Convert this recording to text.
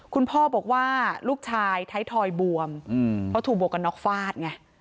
คุณพ่อบอกว่าลูกชายไทยทอยบวมเพราะถูกบวกกันน็อกฟาดไง